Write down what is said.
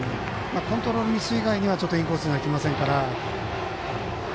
コントロールミス以外にはインコースには来ませんから。